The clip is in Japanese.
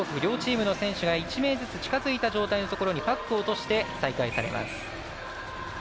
両チームの選手が１名ずつ近づいた状態のところにパックを落として再開されます。